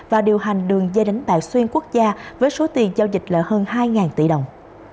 và điều hành đường dây đánh tài xuyên quốc gia với số tiền giao dịch là hơn hai tỷ đồng